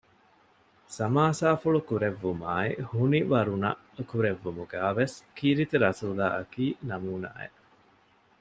ސަމާސާފުޅު ކުރެއްވުމާއި ހުނިވަރުނަ ކުރެއްވުމުގައި ވެސް ކީރިތިރަސޫލާއަކީ ނަމޫނާއެއް